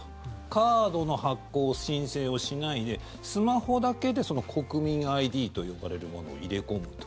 カードの発行・申請をしないでスマホだけで国民ＩＤと呼ばれるものを入れ込むと。